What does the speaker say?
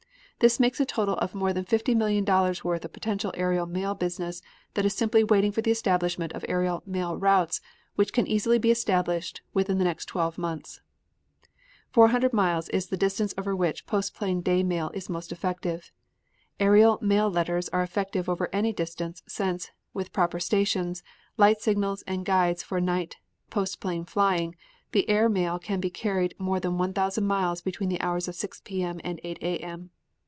This makes a total of more than fifty million dollars' worth of potential aerial mail business that is simply waiting for the establishment of aerial mail routes which can easily be established within the next twelve months. Four hundred miles is the distance over which postplane day mail is most effective. Aerial mail letters are effective over any distance, since, with proper stations, light signals and guides for night postplane flying, the air mail can be carried more than one thousand miles between the hours of 6 P. M. and 8 A. M.